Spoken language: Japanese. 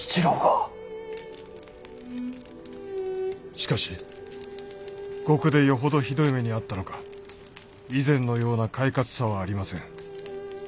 「しかし獄でよほどひどい目に遭ったのか以前のような快活さはありません。